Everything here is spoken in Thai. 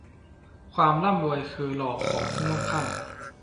ความร่ำรวยคือล่อของผู้มั่งคั่ง